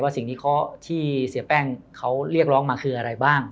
ว่าสิ่งที่เสียแป้งเขาเรียกร้องมาคืออะไรบ้าง